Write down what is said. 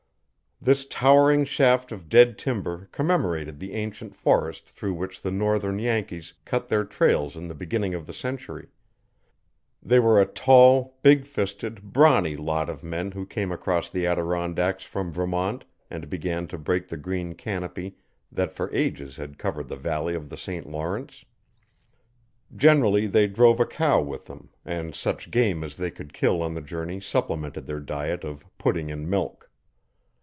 This towering shaft of dead timber commemorated the ancient forest through which the northern Yankees cut their trails in the beginning of the century. They were a tall, big fisted, brawny lot of men who came across the Adirondacks from Vermont, and began to break the green canopy that for ages had covered the valley of the St Lawrence. Generally they drove a cow with them, and such game as they could kill on the journey supplemented their diet of 'pudding and milk'.